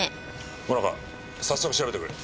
萌奈佳早速調べてくれ。